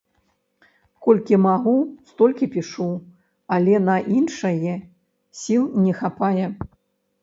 Колькі магу, столькі пішу, але на іншае сіл не хапае.